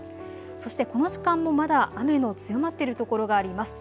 そしてこの時間もまだ雨の強まっている所があります。